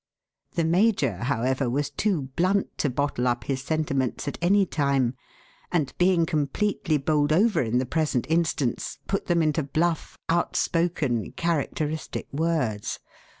The major, however, was too blunt to bottle up his sentiments at any time, and being completely bowled over in the present instance put them into bluff, outspoken, characteristic words.